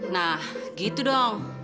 nah gitu dong